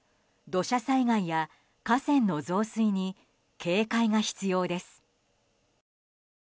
土砂災害や河川の増水に警戒が必要です。